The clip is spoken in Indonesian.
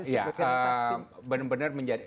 ya benar benar menjadi